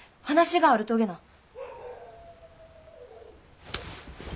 話があるとげな。